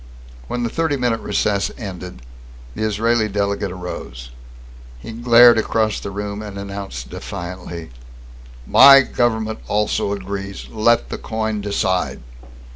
When the thirty minute recess ended, the Israeli delegate arose. He glared across the room and announced defiantly: "My government also agrees! Let the coin decide!"